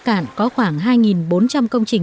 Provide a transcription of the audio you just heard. được khoảng đội gần hai cân ngô đấy